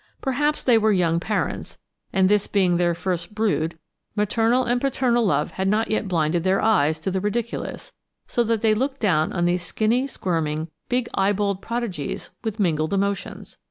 Perhaps they were young parents, and this being their first brood, maternal and paternal love had not yet blinded their eyes to the ridiculous; so that they looked down on these skinny, squirming, big eyeballed prodigies with mingled emotions.